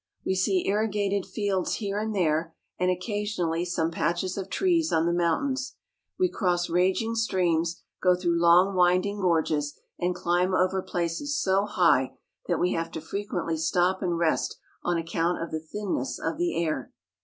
We see irrigated fields here and there, and occasionally some patches of trees on the mountains. We cross raging streams, go through long, winding gorges, and cHmb over places so high that we have to frequently stop and rest on account of the thinness of the air.